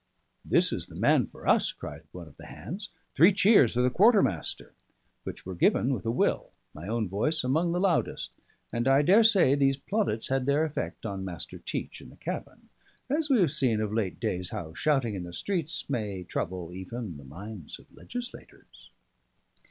"This is the man for us," cried one of the hands. "Three cheers for the quartermaster!" which were given with a will, my own voice among the loudest, and I daresay these plaudits had their effect on Master Teach in the cabin, as we have seen of late days how shouting in the streets may trouble even the minds of legislators.